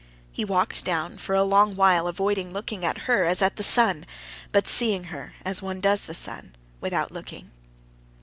He walked down, for a long while avoiding looking at her as at the sun, but seeing her, as one does the sun, without looking.